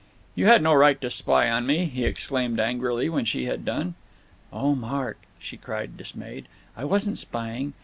"You had no right to spy on me," he exclaimed angrily when she had done. "Oh, Mark," she cried, dismayed, "I wasn't spying.